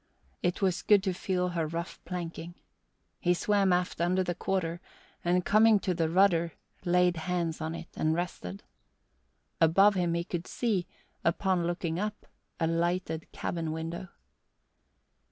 It was good to feel her rough planking. He swam aft under the quarter, and coming to the rudder laid hands on it and rested. Above him he could see, upon looking up, a lighted cabin window.